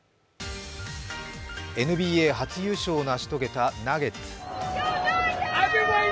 ＮＢＡ初優勝を成し遂げたナゲッツ。